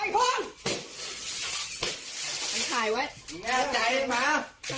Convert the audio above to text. บอกแม่ไยเลยเอากุญแจมา